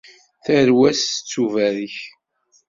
Tarwa-s tettubarek.